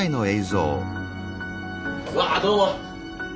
うわあどうも！